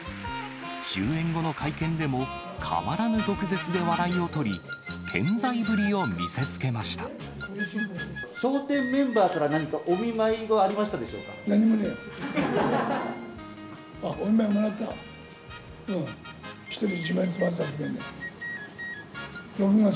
終演後の会見でも、変わらぬ毒舌で笑いを取り、笑点メンバーから何かお見舞何もねえよ。